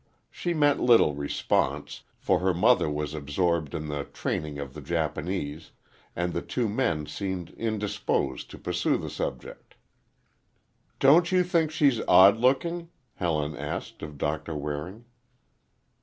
She met little response, for her mother was absorbed in the training of the Japanese, and the two men seemed indisposed to pursue the subject. "Don't you think she's odd looking?" Helen asked, of Doctor Waring.